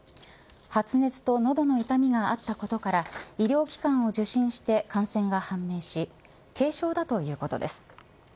発熱と喉の痛みがあったことから医療機関を受診して感染が判明し軽症だということです。